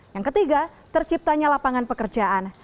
yang ketiga terciptanya lapangan pekerjaan